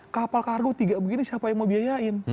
kapal kargo tiga begini siapa yang mau biayain